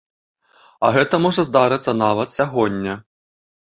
А гэта можа здарыцца нават сягоння.